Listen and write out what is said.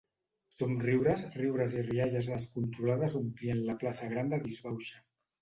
Somriures, riures i rialles descontrolades omplien la plaça gran de disbauxa